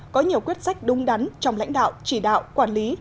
có nhiều quyết sách đúng đắn trong lãnh đạo chỉ đạo quản lý